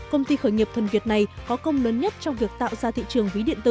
công ty khởi nghiệp thần việt này có công lớn nhất trong việc tạo ra thị trường